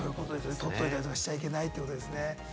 取っておいたりしちゃいけないってことですね。